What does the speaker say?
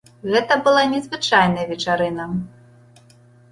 Гэта была незвычайная вечарына.